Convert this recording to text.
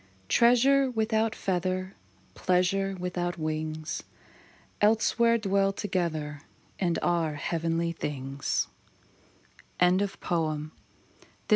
IV. Treasure without feather, Pleasure without wings, Elsewhere dwell together And are heavenly things, LOVE UNDERSTANDS.